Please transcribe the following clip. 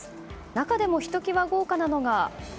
中でもひと際、豪華なのが。